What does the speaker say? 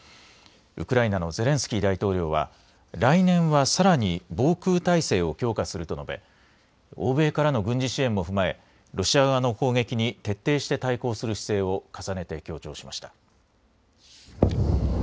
ウクライナのゼレンスキー大統領は来年はさらに防空体制を強化すると述べ、欧米からの軍事支援も踏まえ、ロシア側の攻撃に徹底して対抗する姿勢を重ねて強調しました。